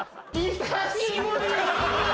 久しぶりー！